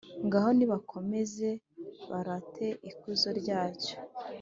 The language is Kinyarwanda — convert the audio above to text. Ngaho nibakomeze barate ikuzo ryacyo,